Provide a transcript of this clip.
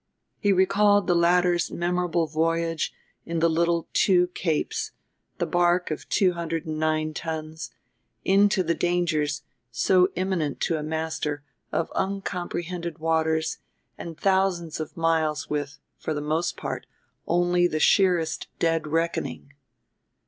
He recalled the latter's memorable voyage in the little Two Capes the barque of two hundred and nine tons into the dangers, so imminent to a master, of uncomprehended waters and thousands of miles with, for the most part, only the sheerest dead reckoning.